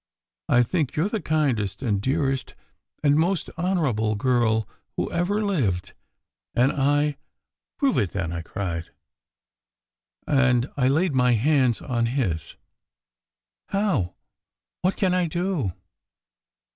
I think you re the kindest and dearest and most honourable girl whoever lived, and I " "Prove it then!" I cried. And I laid my hands on his. "How? What can I do?"